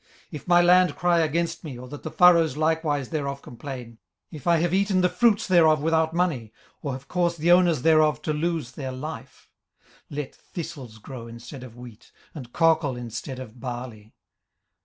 18:031:038 If my land cry against me, or that the furrows likewise thereof complain; 18:031:039 If I have eaten the fruits thereof without money, or have caused the owners thereof to lose their life: 18:031:040 Let thistles grow instead of wheat, and cockle instead of barley.